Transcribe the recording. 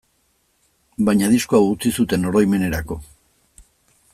Baina disko hau utzi zuten oroimenerako.